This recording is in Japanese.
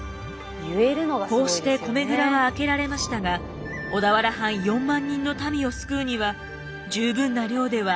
こうして米蔵は開けられましたが小田原藩４万人の民を救うには十分な量ではありませんでした。